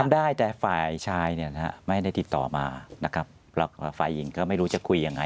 ได้แต่ฝ่ายชายเนี่ยนะฮะไม่ได้ติดต่อมานะครับแล้วฝ่ายหญิงก็ไม่รู้จะคุยยังไง